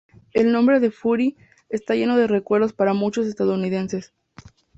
El nombre de "Fury" está lleno de recuerdos para muchos estadounidenses.